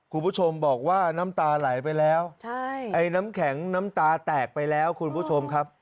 คุณผู้ชมบอกว่าน้ำตาไหลไปแล้วใช่ไอ้น้ำแข็งน้ำตาแตกไปแล้วคุณผู้ชมครับ